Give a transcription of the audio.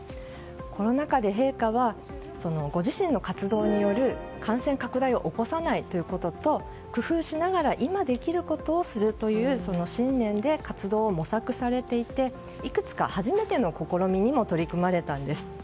コロナ禍で陛下はご自身の活動による感染拡大を起こさないということと工夫しながら今できることをするという信念で活動を模索されていていくつか初めての試みにも取り組まれたんです。